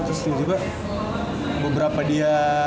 terus tiba tiba beberapa dia